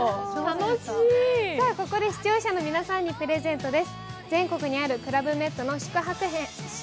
ここで視聴者の皆さんにプレゼントです。